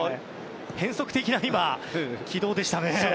変則的な軌道でしたね。